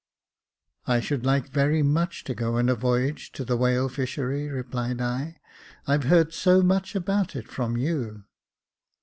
" I should like very much to go a voyage to the whale fishery," replied I j " I've heard so much about it from you."